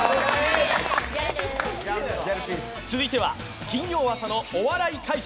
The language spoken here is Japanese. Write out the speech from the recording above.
続いては、金曜朝のお笑い怪人